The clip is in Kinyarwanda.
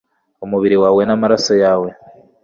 umubiri wawe n'amaraso yawe